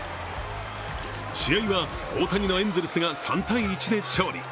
試合は大谷のエンゼルスが３−１で勝利。